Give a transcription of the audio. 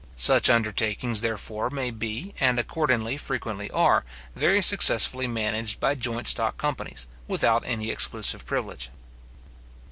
Such under takings, therefore, may be, and accordingly frequently are, very successfully managed by joint stock companies, without any exclusive privilege.